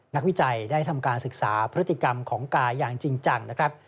วิจัยได้ทำการศึกษาพฤติกรรมของกายอย่างจริงจังนะครับ